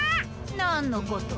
なんのこと？